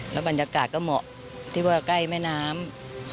และบรรยากาศก็เหมาะกับแม่น้ำ